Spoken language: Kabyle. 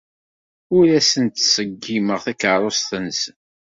Ur asen-ttṣeggimeɣ takeṛṛust-nsen.